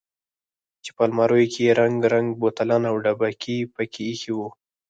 چې په الماريو کښې يې رنګ رنګ بوتلان او ډبکې پکښې ايښي وو.